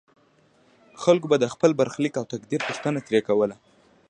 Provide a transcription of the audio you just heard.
خلکو به د خپل برخلیک او تقدیر پوښتنه ترې کوله.